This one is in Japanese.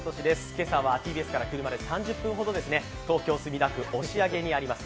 今朝はＴＢＳから車で３０分ほど、東京・墨田区押上にあります